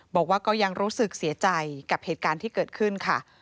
บอกว่าก็ยังรู้สึกเสียใจกับเหตุการณ์ที่เกิดขึ้นค่ะ